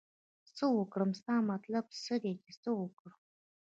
څه وکړم ستا مطلب څه دی چې څه وکړم